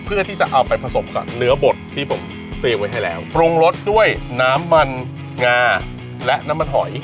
เพื่อที่จะเอาไปผสมกับเนื้อบดที่ผมเตรียมไว้ให้แล้วปรุงรสด้วยน้ำมันงาและน้ำมันหอย